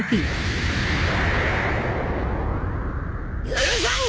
許さん！